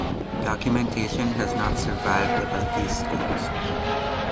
Documentation has not survived about these schools.